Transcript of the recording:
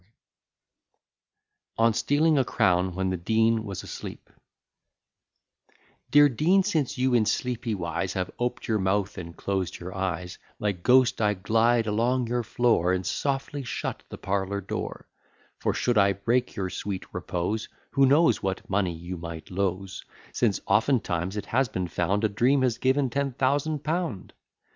] ON STEALING A CROWN, WHEN THE DEAN WAS ASLEEP Dear Dean, since you in sleepy wise Have oped your mouth, and closed your eyes, Like ghost I glide along your floor, And softly shut the parlour door: For, should I break your sweet repose, Who knows what money you might lose: Since oftentimes it has been found, A dream has given ten thousand pound?